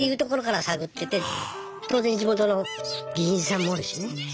っていうところから探ってって当然地元の議員さんもおるしね。